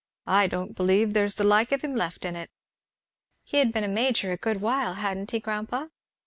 I don't believe there's the like of him left in it." "He had been a major a good while, hadn't he, grandpa?"